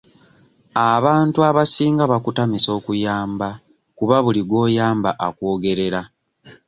Abantu abasinga bakutamisa okuyamba kuba buli gw'oyamba akwogerera.